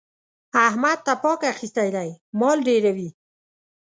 احمد تپاک اخيستی دی؛ مال ډېروي.